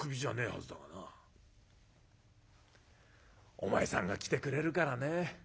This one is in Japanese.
『お前さんが来てくれるからね